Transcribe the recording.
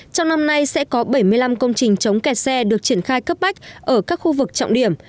trong năm nay sẽ có bảy mươi năm công trình chống kẹt xe được triển khai cấp bách ở các khu vực trọng điểm